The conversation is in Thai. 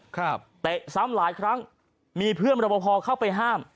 เตะซ้ำหลายครั้งมีเพื่อนรบพอเข้าไปห้าม